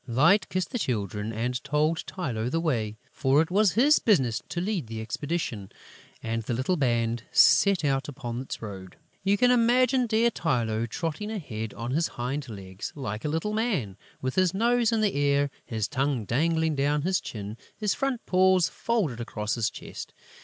Light kissed the Children and told Tylô the way, for it was his business to lead the expedition; and the little band set out upon its road. You can imagine dear Tylô trotting ahead, on his hind legs, like a little man, with his nose in the air, his tongue dangling down his chin, his front paws folded across his chest.